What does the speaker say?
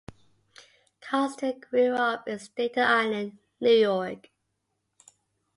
Constan grew up in Staten Island, New York.